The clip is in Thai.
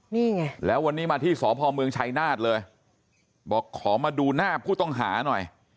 นี่ไงแล้ววันนี้มาที่สพเมืองชัยนาฏเลยบอกขอมาดูหน้าผู้ต้องหาหน่อย